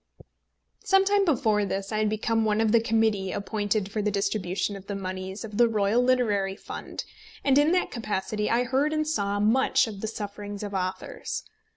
Sometime before this I had become one of the Committee appointed for the distribution of the moneys of the Royal Literary Fund, and in that capacity I heard and saw much of the sufferings of authors.